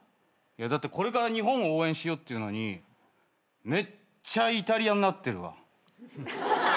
だってこれから日本を応援しようっていうのにめっちゃイタリアになってるわ。